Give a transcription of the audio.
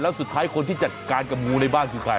แล้วสุดท้ายคนที่จัดการกับงูในบ้านคือใคร